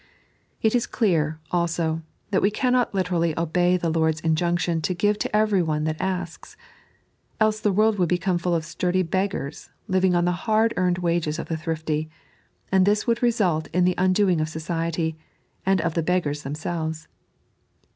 It is clear, also, that we caooot literally obey the Lord's injunction to give to every one that asks. Else the world would become full of sturdy beggars, living on the hard earned wages of the thrifty. And this would result in the undoing of society, and of the beggars themselves.